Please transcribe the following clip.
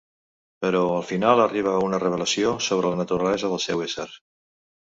Però, al final, arriba a una revelació sobre la naturalesa del seu ésser.